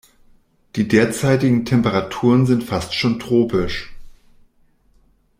Die derzeitigen Temperaturen sind fast schon tropisch.